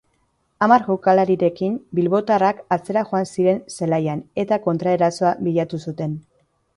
Hamar jokalarirekin, bilbotarrak atzera joan ziren zelaian eta kontraerasoa bilatu zuten.